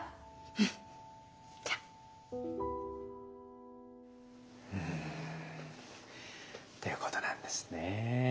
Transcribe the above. じゃっ。ということなんですね。